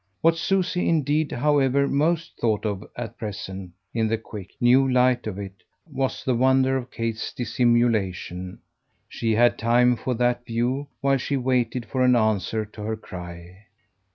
What Susie indeed, however, most thought of at present, in the quick, new light of it, was the wonder of Kate's dissimulation. She had time for that view while she waited for an answer to her cry.